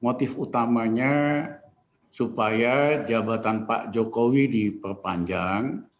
motif utamanya supaya jabatan pak jokowi diperpanjang